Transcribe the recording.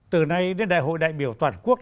từ nay đến đại hội đại biểu toàn quốc